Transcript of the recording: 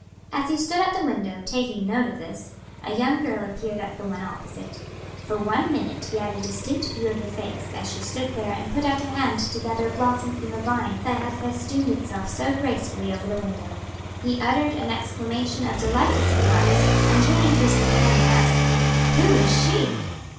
As he stood at the window, taking note of this, a young girl appeared at the one opposite. For one minute he had a distinct view of her face as she stood there and put out her hand to gather a blossom from the vine that had festooned itself so gracefully over the window. He uttered an exclamation of delighted surprise, and turning to his companion asked, "Who is she?"